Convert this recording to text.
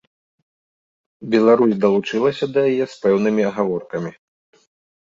Беларусь далучылася да яе з пэўнымі агаворкамі.